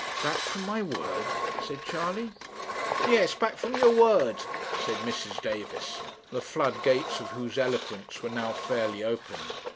'Back from my word?' said Charley. 'Yes, back from your word,' said Mrs. Davis, the flood gates of whose eloquence were now fairly opened.